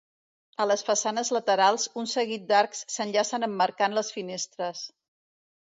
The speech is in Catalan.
A les façanes laterals, un seguit d'arcs s'enllacen emmarcant les finestres.